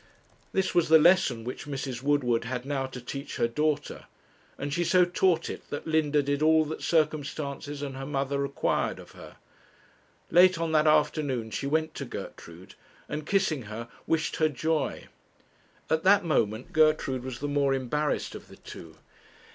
This was the lesson which Mrs. Woodward had now to teach her daughter; and she so taught it that Linda did all that circumstances and her mother required of her. Late on that afternoon she went to Gertrude, and, kissing her, wished her joy. At that moment Gertrude was the more embarrassed of the two.